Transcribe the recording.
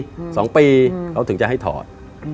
มันหมายถึงว่า๑๒ปีเขาถึงจะให้ถอด